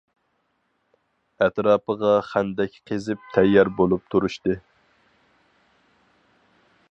ئەتراپىغا خەندەك قېزىپ تەييار بولۇپ تۇرۇشتى.